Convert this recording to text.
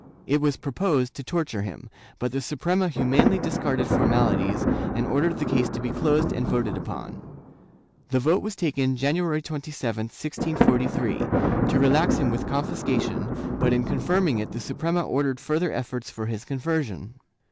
It was proposed to torture him, but the Suprema humanely discarded formalities and ordered the case to be closed and voted upon. The vote was taken, January 27, 1643, to relax him with confis cation, but in confirming it the Suprema ordered further efforts for his conversion.